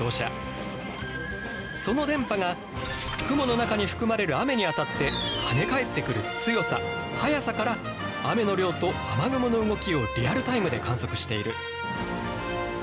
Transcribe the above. その電波が雲の中に含まれる雨に当たって跳ね返ってくる強さ速さから雨の量と雨雲の動きをリアルタイムで観測している。